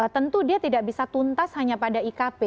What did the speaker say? tentu dia tidak bisa tuntas hanya pada ikp